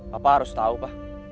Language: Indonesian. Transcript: papa harus tahu pa